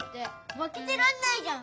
まけてらんないじゃん。